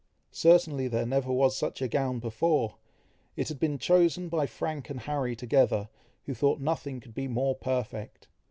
Certainly there never was such a gown before! It had been chosen by Frank and Harry together, who thought nothing could be more perfect.